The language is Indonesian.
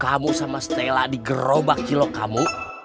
kamu sama stella di gerobak kilo kamu